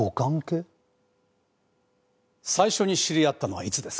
最初に知り合ったのはいつですか？